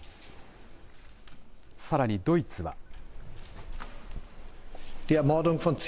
さらにドイツは。